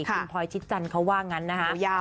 คุณพลอยชิดจันทร์เขาว่างั้นนะฮะ